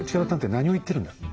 何を言ってるんだ。